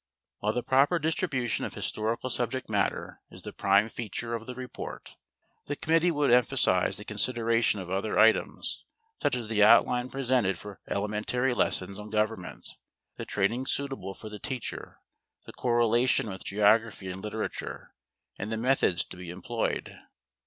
While the proper distribution of historical subject matter is the prime feature of the report, the committee would emphasize the consideration of other items, such as the outline presented for elementary lessons on government; the training suitable for the teacher; the correlation with geography and literature, and the methods to be employed.